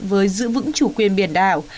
với giữ vững chủ quyền biển đảo